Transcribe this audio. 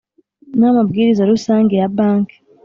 namabwiriza rusange ya Bank.